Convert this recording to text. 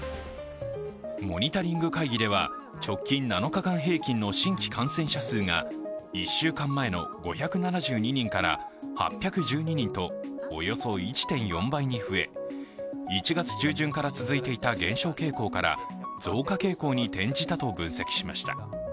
モニタリング会議では直近７日間平均の新規感染者数が１週間前の５７２人から８１２人とおよそ１．４倍に増え１月中旬から続いていた減少傾向から増加傾向に転じたと分析しました。